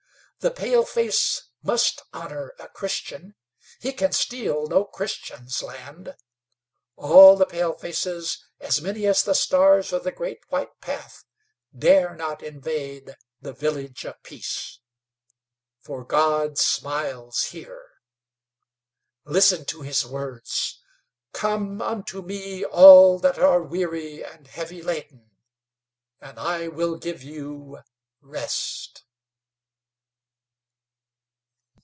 The paleface must honor a Christian. He can steal no Christian's land. All the palefaces, as many as the stars of the great white path, dare not invade the Village of Peace. For God smiles here. Listen to His words: 'Come unto me all that are weary and heavy laden, and I will give you rest.'"